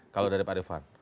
kalau dari pak revan